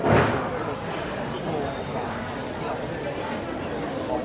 โชว์สิคแพคครับ